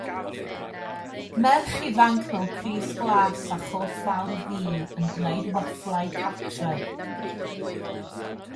Merch ifanc mewn crys glas a chôt fawr ddu yn gwneud wafflau cartref